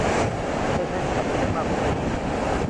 เธอใช้สแนปแชทมากกว่าเฟสบุ๊ค